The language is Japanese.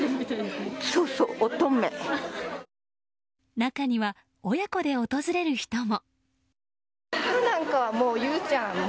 中には親子で訪れる人も。